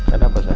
ada apa sah